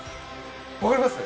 わかります？